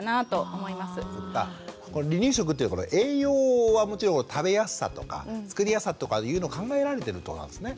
離乳食というのは栄養はもちろん食べやすさとか作りやすさとかいうのを考えられてるってことなんですね。